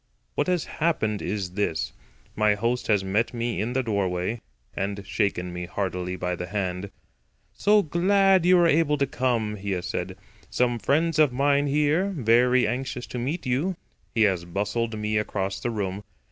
What has happened is this: My host has met me in the doorway, and shaken me heartily by the hand. "So glad you were able to come," he has said. "Some friends of mine here, very anxious to meet you." He has bustled me across the room.